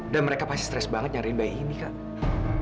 dan mereka pasti stres banget nyariin bayi ini kak